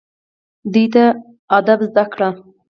دوی ته ادب زده کړئ